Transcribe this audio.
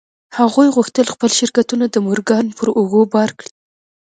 هغوی غوښتل خپل شرکتونه د مورګان پر اوږو بار کړي